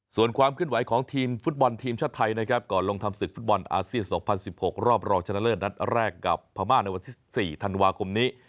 ส่วนความเคลื่อนไหวของทีมฟุตบอลทีมชาติไทยนะครับก่อนลงทำศึกฟุตบอลอาเซียน๒๐๑๖รอบรองชนะเลิศนัดแรกกับพม่าในวันที่๔ธันวาคมนี้